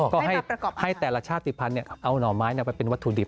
ก็ให้แต่ละชาติภัณฑ์เอาหน่อไม้ไปเป็นวัตถุดิบ